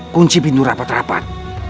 kunci pintu rapat rapat